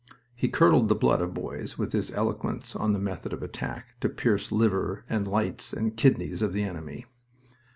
He curdled the blood of boys with his eloquence on the method of attack to pierce liver and lights and kidneys of the enemy.